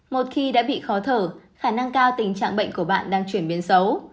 một khi đã bị khó thở khả năng cao tình trạng bệnh của bạn đang chuyển biến xấu